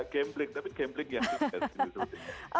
gameplay tapi gameplay yang lebih lebih